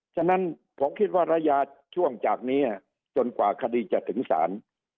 ฉะนั้นผมคิดว่าระยะช่วงจากนี้จนกว่าคดีจะถึงศาล